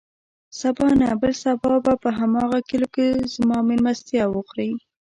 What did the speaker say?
سبا نه، بل سبا به په هماغه کليو کې زما مېلمستيا وخورې.